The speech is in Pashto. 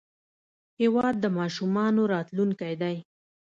هېواد د ماشومانو راتلونکی دی.